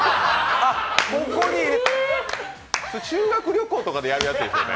それ、修学旅行とかでやるやつですよね。